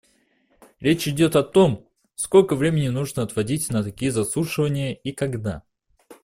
Речь идет о том, сколько времени нужно отводить на такие заслушивания и когда.